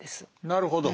なるほど。